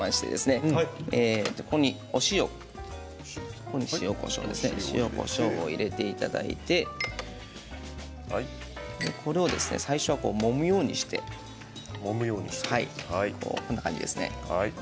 ここに塩、こしょうを入れていただいて最初は、もむようにしてこんな感じですね。